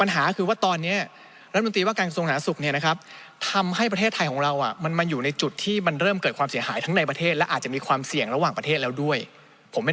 เรียงมีโอโรโอยี่นผมเอาสร้างแรกจริงไป